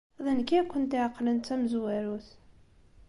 D nekk ay kent-iɛeqlen d tamezwarut.